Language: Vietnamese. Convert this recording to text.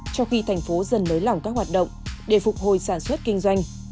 trong khi thành phố dần nới lỏng các hoạt động để phục hồi sản xuất kinh doanh